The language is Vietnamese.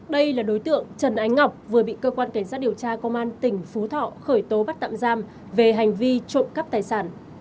đây là đối tượng trần ánh ngọc vừa bị cơ quan cảnh sát điều tra công an tỉnh phú thọ khởi tố bắt tạm giam về hành vi trộm cắp tài sản